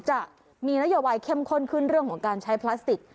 จะมีนโยบายเข้มข้นขึ้นเรื่องของการใช้พลาสติก